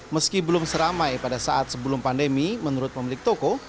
meski belum seramai pada saat sebelum pandemi menurut pemilik toko